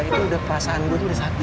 itu udah perasaan gua udah sakit